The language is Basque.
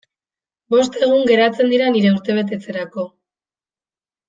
Bost egun geratzen dira nire urtebetetzerako.